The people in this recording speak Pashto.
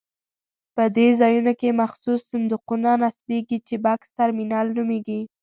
په دې ځایونو کې مخصوص صندوقونه نصبېږي چې بکس ترمینل نومېږي.